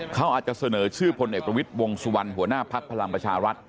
เขาอาจจะเสนอชื่อพลเอกประวิทย์วงสุวรรณหัวหน้าภักดิ์พลังประชารัฐ